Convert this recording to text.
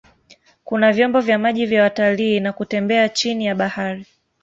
Kuna vyombo vya maji vya watalii na kutembea chini ya bahari.